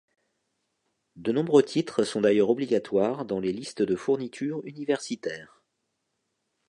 De nombreux titres sont d'ailleurs obligatoires dans les listes de fournitures universitaires.